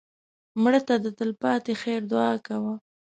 مړه ته د تل پاتې خیر دعا کوه